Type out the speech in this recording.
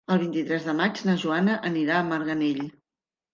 El vint-i-tres de maig na Joana anirà a Marganell.